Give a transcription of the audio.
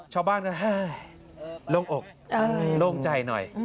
ชาวบ้านก็แห้โล่งอกโล่งใจหน่อย